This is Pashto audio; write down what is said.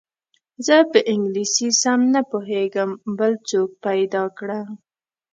زه په انګلیسي سم نه پوهېږم بل څوک پیدا کړه.